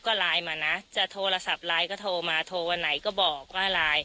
ก็ไลน์มานะจะโทรศัพท์ไลน์ก็โทรมาโทรวันไหนก็บอกว่าไลน์